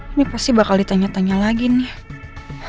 ini pasti bakal ditanya tanya lagi nih